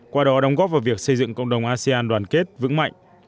qua đó đóng góp vào việc xây dựng cộng đồng asean đoàn kết vững mạnh